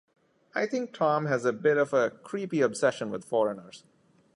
I think Tom has a bit of a creepy obsession with foreigners.